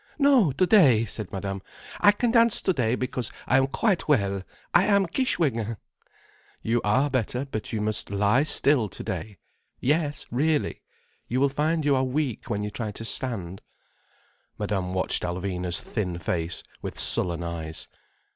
"No, today," said Madame. "I can dance today, because I am quite well. I am Kishwégin." "You are better. But you must lie still today. Yes, really—you will find you are weak when you try to stand." Madame watched Alvina's thin face with sullen eyes.